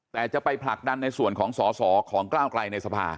แต่จะไปผลักดันในส่วนของสอสอของก้าวไกลในสภา